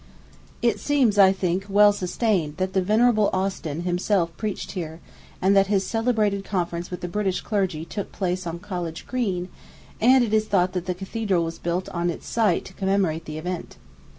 It seems, I think, well sustained that the venerable Austin himself preached here, and that his celebrated conference with the British clergy took place on College Green; and it is thought that the cathedral was built on its site to commemorate the event.